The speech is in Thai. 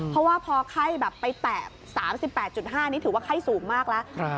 เพราะว่าพอไข้แบบไปแตะ๓๘๕นี่ถือว่าไข้สูงมากแล้ว